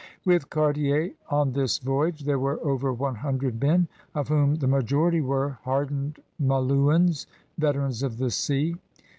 With Car tier on this voyage there were over one hundred men, of whom the majority were hardened Ma louins, veterans of the sea.